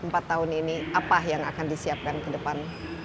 belajar dari empat tahun ini apa yang akan disiapkan kedepan